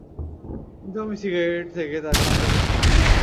কিন্তু আমি সিগারেট থেকে তার ক্ষমতা কেড়ে নিয়েছি।